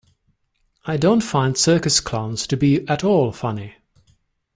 I don’t find circus clowns to be at all funny.